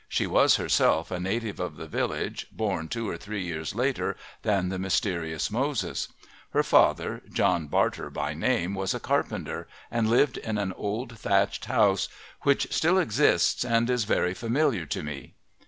She was herself a native of the village, born two or three years later than the mysterious Moses; her father, John Barter by name was a carpenter and lived in an old, thatched house which still exists and is very familiar to me.